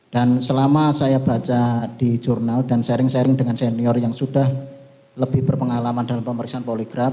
dan selama saya baca di jurnal dan sharing sharing dengan senior yang sudah lebih berpengalaman dalam pemeriksaan poligraf